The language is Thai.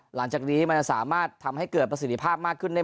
หลังจากนี้มันจะสามารถทำให้เกิดประสิทธิภาพมากขึ้นได้